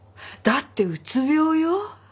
だってうつ病よ。